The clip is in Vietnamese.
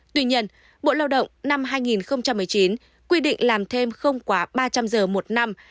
tuy nhiên bộ lao động năm hai nghìn một mươi chín quy định làm thêm không quá ba trăm linh giờ một năm